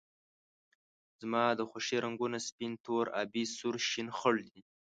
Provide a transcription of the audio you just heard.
زما د خوښې رنګونه سپین، تور، آبي ، سور، شین ، خړ دي